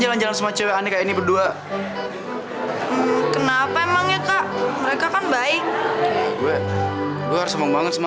firong mau cium gue kan